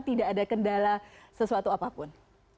tidak ada kendala sesuatu apapun